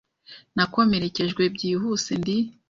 Nakomerekejwe byihuse Ndi